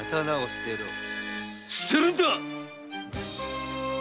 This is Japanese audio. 捨てるんだ！